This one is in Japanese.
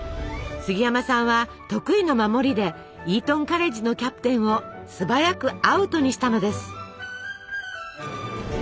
杉山さんは得意の守りでイートンカレッジのキャプテンを素早くアウトにしたのです。